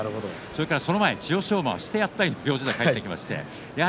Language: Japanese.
その前、千代翔馬はしてやったりという顔で帰ってきました。